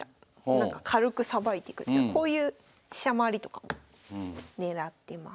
なんか軽くさばいてくっていうかこういう飛車回りとかも狙ってます。